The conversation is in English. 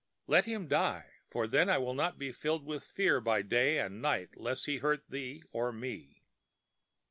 Let him die; for then I will not be filled with fear by day and night lest he hurt thee or me."